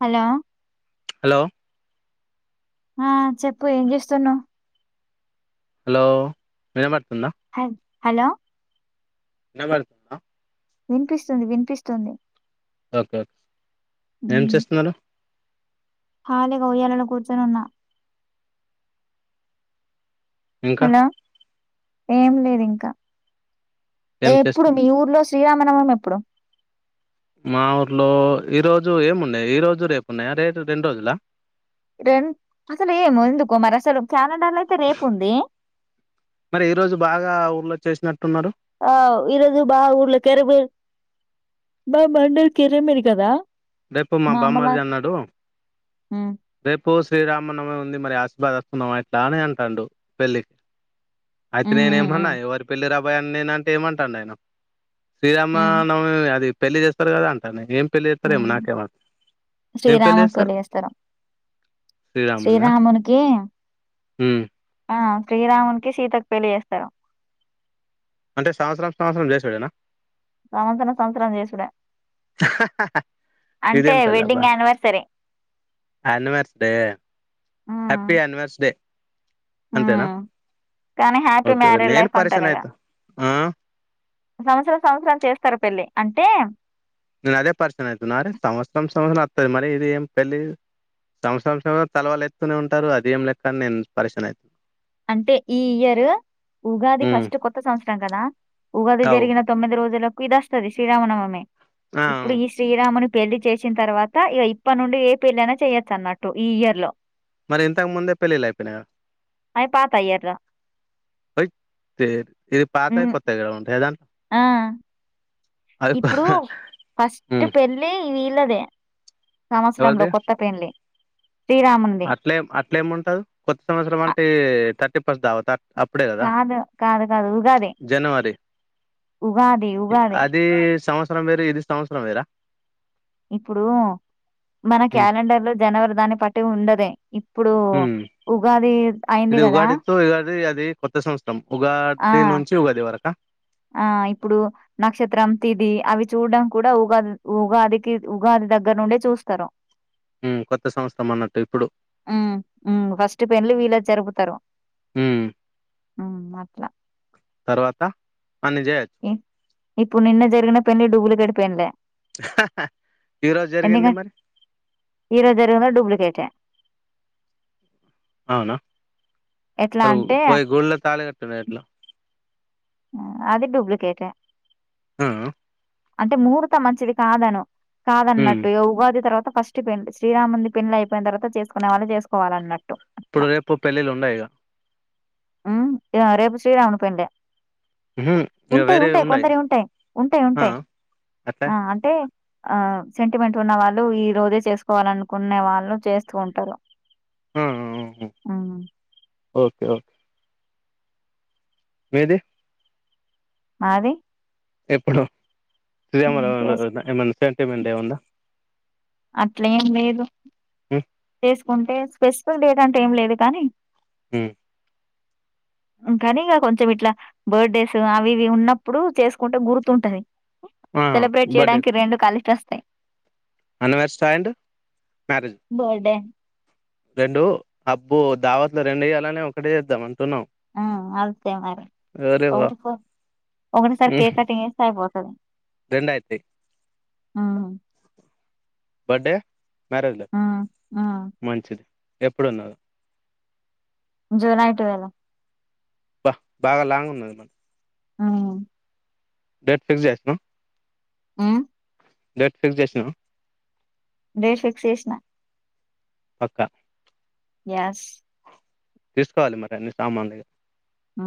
Hollow hello ఉమ్ చెప్పు ఏం చేస్తున్నావ్ హలో వినపడ్ హ హలో వినపడుతుందా వినిపిస్తుంది వినిపిస్తుంది ఓకే ఓకే ఏం చేస్తున్నారు హాలీగా ఉయాలలో కూర్చొనున్నా ఇంకా హలో ఏం లేదు ఇంకా ఏం ఎప్పుడు చేస్తు మీ ఊర్లో శ్రీరాం మనవ ఎప్పుడు మా ఊర్లో ఈ రోజు ఏమున్నాయా ఈ రోజు రేపున్నాయా రే రెండు రోజులా రెం అసలు ఏం ఎందుకు మరి అసలు చాలా మరి ఈ రోజు బాగా ఊళ్ళో చేసినట్టున్నారు ఆ ఈ రోజు బా ఊర్ల కరమేరు బా మండర్ కిరమేరి కదా రేపు మా బామ్మారిది అన్నాడు మ్ రేప్ పు శ్రీరామన్నమి ఉంది మరి ఆశీర్వాద వస్తున్నాం అట్లా అని అంటాండు పెళ్ళికి అయితే నేనే మ్ మ్ ఏమన్నా ఎవరి పెళ్ళి రా ఒకవేళ నేను అంటే ఏమంటాడు ఆయన మ్ శ్రీరామనవమి అది పెళ్లి చేస్తారు కాదా అంటా ఏం పెళ్లి చేస్తారేమో ఉమ్ నాకేమో ఏం పెళ్లి శ్రీరామునికి పెళ్ళి చేస్తారు శ్రీరామునిదా శ్రీరామునికి ఉమ్, ఆ శ్రీరామునికిి సీతకు పెళ్లిి చేస్తారు అంటే సంవత్సరం సంవత్సరం చేసుడేనా సంవత్సరం సంవత్సరాం చేసుడే అంటే ఇదేం పెళ్బా wedding anniversary. Anniversary happy anniversary అంతేనా ఉమ్ కానీ హ్యాపీ ఓకే ఓకే. మ్యారేజ్ నేను లైఫ్ అంటారు పరిచయం ఇగ అయితా ఆ సంవత్సరం సంవత్సరం చేస్తారు పెళ్ళి అంటే నేను అదే పరిషన్ అవుతున్నా అరే సంవత్సర సంవత్సరం అస్తుంది మరి ఇది ఏం పెళ్ళి సంవత్సరం సంవత్సరం తలవాలు ఎస్తూనే ఉంటారు అది ఏం లెక్క అని నేను పరిశయంన అవుతును అంటే ఈ ఇయరు ఉగాది ఉమ్ ఫస్ట్ కొత్త సంవత్సరం కదా ఉగాది అవు జరిగిన తొమ్మిది రోజుల కీ దోస్తది శ్రీ రామ నవమీ ఆ ఇప్పుడు ఈ శ్రీరామును పెళ్లి చేసిన తర్వాత ఇక ఇప్ప నుండి ఏ పెళ్లైన చెయొచ్చు అన్నట్టు ఈ ఇయర్ లో మరి ఇంతకు ముందే పెళ్ళిళ్ళు అయిపోయినాగ అది పాత ఇయర్‌లో. ఓ దేర్ ఇది పాత హ్మ్. కొత్త గ ఉంటాయ దన్ ఆ ఇప్పుడు ఫస్ట్ ఉమ్ పెళ్ళి వీళ్ళదే సంవత్సరంలో కొత్త పెండ్లి అట్లే అట్లే ఏమి ఉంటది కొత్త సంవత్సరం అ అంటే తర్ పస్ దవతర్ కాదు కాదు కాదు ఉగాదే జనవరి ఉగాది ఉగాదే సంవసరం వేరు ఇది సంవత్సరం వేరా ఇప్పుడు మన ఉమ్ క్యాలెండర్ లో జనవరి దాని బట్టి ఉండదే ఇప్పుడు హుమ్ ఉగాది అయింది ఇది కదా ఉగాదితో ఉగాది అది కొత్త సంవత్సరం ఆ ఉగాది నుంచి ఉగాది వరక ఆ ఇప్పుడు నక్షత్రం తిదిి అవి చూడడం కూడా ఉగాది ఉగాదికి ఉగాది దగ్గర నుండే చూస్తారు ఉమ్ కొత్త సంవత్సరం అన్నట్టు ఇప్పుడు ఉమ్ ఫస్ట్ పెండ్లి వీళ్ళ ది జరుపుతారు ఉమ్ ఉ మాట్లా తర్వాత అన్ని చేయొచ్చు ఉమ్ ఇప్పుడు నిన్న జరిగిన పెళ్ళి డూప్లికేట్ పెండ్లే ఈ రోజు జరిగింది ఎందుక మరి ఈరోజు జరిగిందా డూప్లికేటె అవునా ఎట్లా అర అంటే పోయి గుళ్ళ తాళి కట్న్నా ఎట్లో అది డ్యూప్లికేటె ఆ అంటే ముహూర్తం మంచిది కాదను ఉమ్ కాదన్నట్టు ఇగ ఉగాది తర ఫస్ట్ పె శ్రీరాముంది పెండ్లి అయిపోయిన తర్వాత చేసుకునే వాళ్ళు చేసుకోవాలి అన్నట్టు ఇప్పుడు రేపు పెళ్ళిళ్ళు ఉన్నయిగ ఉ అ రేపు శ్రీరాముని పెండ్లి ఉహు ఇగ ఉంటయి వేరే ఉంటయి ఉండయి కొందరి ఉంటయి ఉంటయి ఆ ఉంటయి అట్లా ఆ అంటే ఆ సెంటిమెంట్ ఉన్న వాళ్ళు ఈ రోజే చేసుకోవాలనుకునే వాళ్ళు చేసు కుంటరు ఆ ఓకే ఓ మీది మాది ఎప్పుడు శ్రీరామ చేసు [inaudible] ఎమన్ సెంటిమెంట్ ఏ ఉందా అట్లేం లేదు చేసుకుంటె స్పెసిఫి డేట్ అంటు ఏం లేదు కాని ఉ ఇంకని ఇక కొంచెం ఇట్ల బర్డెస్ అవి ఇవి ఉన్నప్పుడు చేసుకుంటె గుర్తుంటది ఆ సెలబ్రేట్ చేయడానికి రెండు కలి టస్ ఆనివర్స్ అండ్ మ్యారేజ్ బర్డే రెండు అబ్బు దావత్ ల రెండు ఇయ్యలనె ఒకటే తెద్దమన్ ఆ అంతే మరి అరే వా ఒకటి ఒకటిసారి ఉమ్, కేక్ కటింగ్ అయిపో సరే రెండు అయితయి ఆహ్ బడే మారేదిల ఉమ్ మంచిది ఎప్పుడున్నర్ జూలై టువెల బ బాగా లాంగ్ ఉన్నది హ్మ్ డేట్ ఫిక్స్ చేసుకో ఉమ్ డేట్ ఫిక్స్ చేసినా డేట్ ఫిక్స్ చేసిన పక్క ఎస్ తీసుకోవాలి మరి అన్ని సామాన్లు ఆ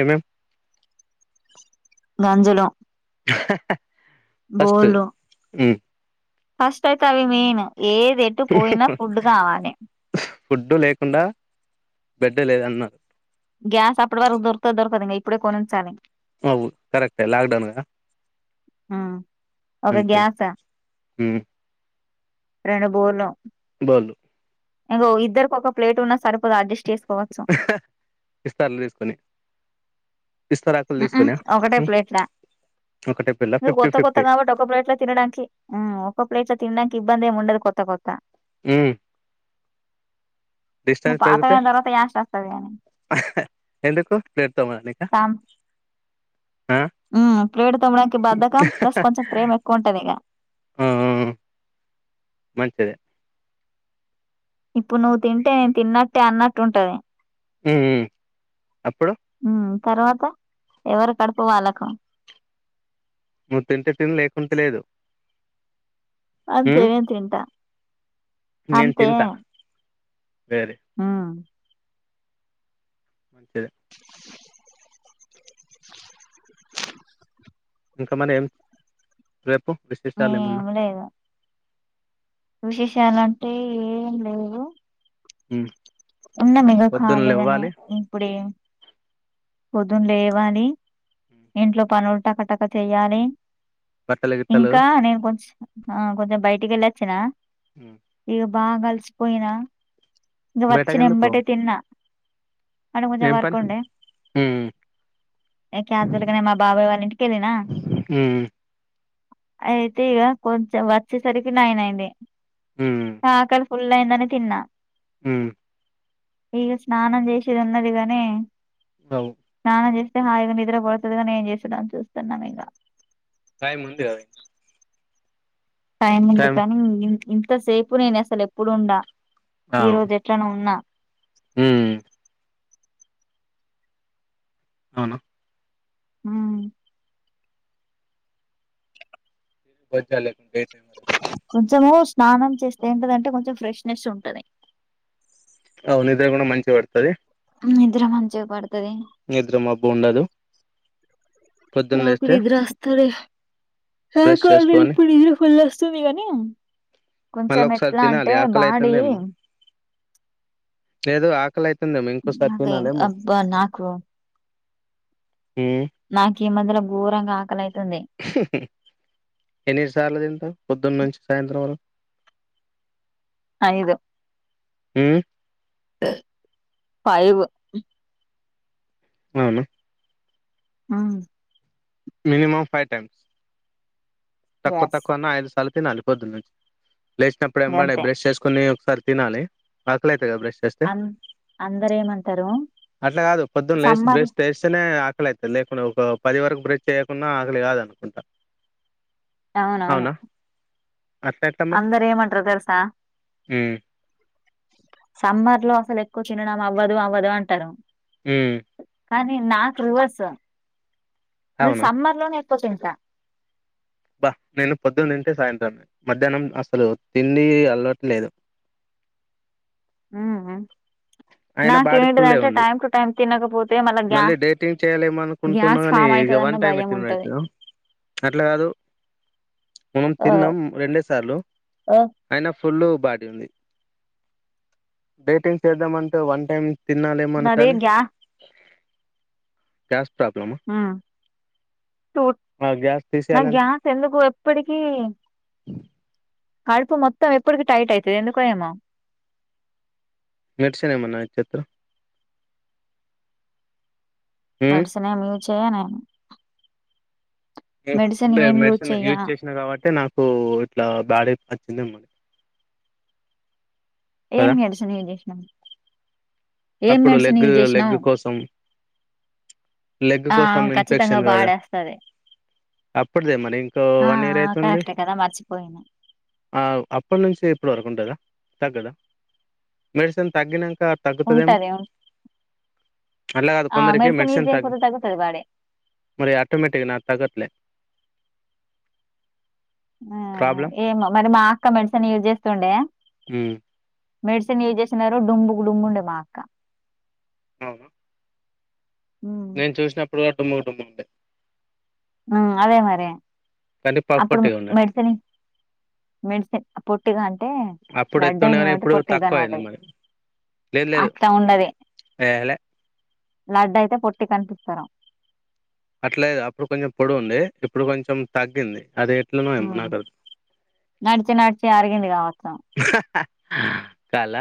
ఏం ఏం గంజలు హా హా. ఫస్ట్ హు ఫస్ట్ అయితే అవి మెయిన్ ఏది ఎటు పోయినా ఫుడ్ కావాలే ఫుడ్ లేకుండా బెడ్డు లేదు అన్నా. గ్యాస్ అప్పటి వరకు దొరుకుతాదౌ దొరుకాదో ఇంకా ఇప్పుడే కొనుంచాలే అవును కరెక్టే లాక్ డౌన్ కదా హ్మ్ ఒక్క గ్యాస్ హూ రెండు బోలు చాలు ఇంకో ఇద్దరికి ఒక ప్లేట్ ఉన్న సరిపో కో అడ్జస్ట్ చేసుకోవచ్చు ఇస్తార్లు తీసుకొని ఇస్తారాకులు తీసుకుని ఒకటే ప్లేట్ల ఒకటే పిల్ల ఇ ఫిఫ్టీ కొత్త కొత్త ఫిఫ్టీ కాబట్టి ఒక ప్లేట్ లో తినడానికి ఒక ప్లేట్ల తినడానికి ఇబ్బంది ఎం ఉండదు కొత్త కొత్త హు నువ్వు డిస్టెన్స్ పెరిగితే పాతగైన తర్వాత యాస్ట్ వస్తది గాని ఎందుకు లేప్త మన్ని ప్లేట్లు తొమ్మడానికి బాదకం ప్లస్ కొంచెం ప్రేమ ఎక్కువ ఉంటాది ఇగ మంచిదే ఇప్పుడు నువ్వు తింటే నేను తిన్నట్టే అన్నట్టే ఉంటాది ఉ అప్పుడు తర్వాత ఎవరు కడుప వాళ్ళ కూ నువ్వు తింటే తిని లేకుంటే లేదు అంతే హ్మ్ అ తింటా నేను తింట ఆ మంచించిది ఇంకా మన ఎస్ ర విశేష చాల మన్నా విశేషలంటే ఏం లేదు హు ఉన్నం ఇగ ఖాళీగానే ఇప్పుడ పొదున లేవాలి ఇంట్లో పనులు టకటక చెయాలి బట్టలు గిట్టలు ఇంకా నేను కొంచ ఆ కొంచెం బయటికి వెళ్ళ వచ్చిన ఉ బాగా కలిసిపోయినా ఇ వ వచ్చి బయటకి ఎందుకు నెంబటే తిన్నా అడ కొంచెం ఏం పని వర్కుండే హ్మ్ కతలగానే మా బాబాయ్ వాళ్ళ ఇంటికి వెళ్ళినా హ్మ్ అ అయితే ఇక కొంచెం వచ్చేసరికి నైన్ అయింది ఆ క ఫుల్లయిందని తిన్నా హ ఈగ స్నానం చేసేది ఉన్నదిగాని అవు నాది హాయిగా నిద్ర పడుతుంది కానీ ఏం చేస్తుడని చూస్తున్నాం ఇంక టైం ఉంది కద ఇంకా టైమ్ం ఉంది కానీ ఎంతసేపు నేను అసలు ఎప్పుడుండా ఈ రోజు ఎట్లనో ఉన్నా హ అవునా ఆ ల కొంచ మోస్ స్నానం చేస్తే ఏంటిదంటే కొంచెం ఫ్రెష్నెస్ ఉంటది అవు నిద్ర కూడా మంచిగా పడుతది నిద్ర మంచిగా పడు నిద్ర మబ్బు ఉండదు. పొద్దున్న నాకు లేస్తే నిద్రవస్తది హ బ్రష్ కాల చేసుకొని ఇప్పుడుద ఫల్స్త చుందిగని మళ్ళీ కొంచెం ఒకసారి ఎట్లా తినాలి అంటే ఆకలి బాడీ అయితుందేమో లేదు ఆకలయి క అబ్బా నాకువ హ్మ్ నాకు ఈ మధ్యల ఘోరంగా ఆకలితుంది. ఎన్ని సార్లు తింటావ్ పొద్దున్న నుంచి సాయంత్రం వరకు అ ఇద ఉం ఫైవ్ అవునా ఆ మినిమం ఫైవ్ టైమ్స్ తక్కువ ఎస్ తక్కు అన్నా ఆయి తలిపి అళిపోద్దు నుంచి లేచినప్పుడు ఎంబడె గంతే బ్రష్ చేసుకొని సరే తినాలి ఆకలి ఐతు బ్రష్ చేస్తే అం అందరు ఏమంటారు అట్లా కాదు పొద్దున్న లేస్ సమ్మర్ బ్రష్ చేస్తేనే ఎక్క అ లేకుండా ఒక పది వరకు బ్రె చేయకున్నా ఆకలి కాదు అనుకుంటా అవునవును అట్లా అందరు ఏమంటారు తెలుసా అ సమ్మర్ లో అసలు ఎక్కువ తినడం అవ్వదు అవ్వదు అంటారు ఉమ్ కానీ నాకు రివర్స్ నేను అవునా సమ్మర్ లోనే ఎక్కు కూర్చుంటా బ నేను పొద్దు తింటే సాయంత్రం మధ్యాహ్నం అసలు తిండి అలవాటు లేదు మ్మ్. బాడీ ఫుల్లే నాకేంటిదంటే ఉంది టైం టు టైం తినకపోతే మళ్ళా గ్యా మళ్ళీ డేటింగ్ చేయాలేమో అనుకుంటున్నా గ్యాస్ కాని ఫామ్ ఇక వన్ అయితదన్న టైమ్ భయం తినుడు ఉంటది అయితదా అట్లా కాదు మనం ఆ, తిన్నాం రెండే సార్లు ఆ, అయిన ఫుల్లు బాడీ ఉంది డేటింగ్ చేద్దామ అంటే వన్ టైమ్ తిన్నానేమో నాది కానీ గ్యా గ్యాస్ ప్రాబ్లమా ఆ చూ ఆ గ్యాస్ నాకు తీసేయాలంటే గ్యాస్ ఎందుకు ఎప్పటికి కడుపు మొత్తం ఎప్పటికి టైట్ అయితది ఎందుకో ఏమో మెడిసన్ ఏమన యూస్ చేత్తరా ఉమ్ మెడిసిన్ ఏం యూస్ చేయనే నే మెడిసిన్ ఇంతే మెడిసిన్ యూజ్ చేసిన కాబట్టే నాకు ఇట్లా బ్యాడ్ అయిత తిన్నాం మరి ఏం మెడిసిన్ యూస్ చేసినం అప్పుడు లెగ్ లెగ్ చేసినావు కోసం లెగ్ ఆ కోసం ఖచ్చితంగా ఇన్ఫెక్షన్ కాదా బాడేస్తది అప్పటిదే మరి ఇంకో ఆ వన్ ఇయర్ ఆ అయితుంది కరెక్టే కదా మర్చిపోయినా ఆ అప్పటి నుంచి ఇప్పుడు వరకు ఉంటదా తగ్గదా మెడిసిన్ తగ్గినంక తగ్ తదేం ఉంటది ఉ అల కాదు ఆ కొందరికి మెడిసిన్ యూజ్ మెడిసన్ తగ్ చేయకపోతే తగ్గుతది బాడీ మరి ఆటోమేటిక్ నాక్ తగ్గట్లే ఆ ప్రాబ్లం ఏమో మరి మా అక్క మెడిసి సీన్ యూజ్ చేస్తుండే హు మెడిసిన్ యూజ్ చేసినా తరువాత డుంబుగ డుంబుండె మా అక్క అవును ఉమ్ నేను చూసినప్పుడు డుమ్ము డుమ్ము ఉండే ఆ అదే మరి కానీ పఫ్ అప్పుడు పొట్టిగా ఉండే మెడిసిన్ మెడిసిన్ పొట్టిగ అంటె అప్పుడు ఎత్తుండే లడ్డైంది కానీ కాబట్టి ఇప్పుడు పొట్టిగ తక్కువ అయింది కనబడ్డది మరి లేదు లేదు అట్ల ఉండది ఏలే లడ్డైతె పొట్ ట్టిగ కనిపిత్తరు అట్లేదు అప్పుడు కొంచెం పొడువుంది ఇప్పుడు కొంచెం తగ్గింది అది ఎట్లనో హు ఏమో నాకు అది నడిచి నడిచి అరిగింది కావచ్చు కాళ్ళ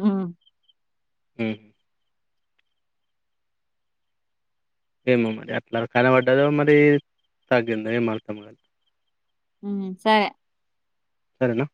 ఉ ఉ ఏమో మరి అట్లా కనబడ్డదో మరి తగ్గిందొ ఏం అర్థం కా ఉం సరే సరెనా